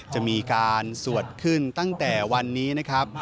จะมีการสวดขึ้นตั้งแต่วันนี้นะครับ